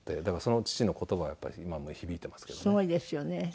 だからその父の言葉がやっぱり今も響いてますけどね。